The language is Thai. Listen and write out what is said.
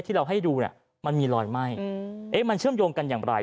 ที่เราให้ดูเนี่ยมันมีรอยไหม้มันเชื่อมโยงกันอย่างไร